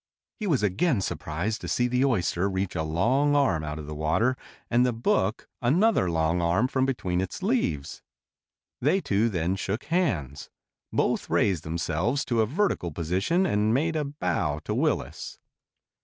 He was again surprised to see the oyster reach a long arm out of the water and the book another long arm from between its leaves. They two then shook hands. Both raised themselves to a vertical position and made a bow to Willis.